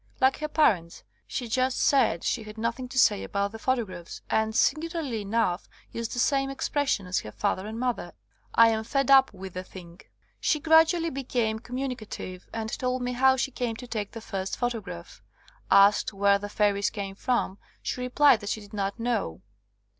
Like her parents, she just said she had nothing to say about the photographs, and, singularly enough, used the same expres sion as her father and mother — "I am ^fed up' with the thing." She gradually became communicative, and 67 THE COMING OF THE FAIRIES told me how she came to take the first pho tograph. Asked where the fairies came from, she replied that she did not know.